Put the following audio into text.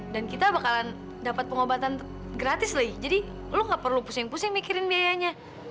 dan kita bakalan dapat pengobatan gratis so lo nggak perlu pusing pusing mikirin biayanya